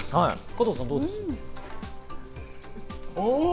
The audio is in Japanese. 加藤さん、どうですか？